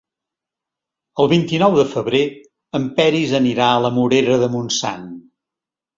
El vint-i-nou de febrer en Peris anirà a la Morera de Montsant.